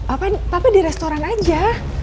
apaan papa di restoran aja